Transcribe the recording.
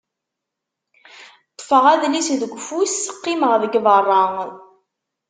Ṭfeɣ adlis deg ufus, qqimeɣ deg berra.